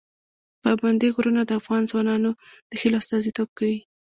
پابندي غرونه د افغان ځوانانو د هیلو استازیتوب کوي.